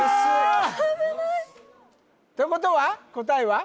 危ないということは答えは？